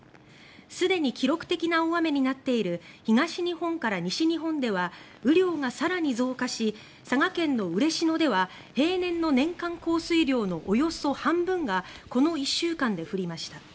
すでに記録的な大雨になっている東日本から西日本では雨量が更に増加し佐賀県の嬉野では平年の年間降水量のおよそ半分がこの１週間で降りました。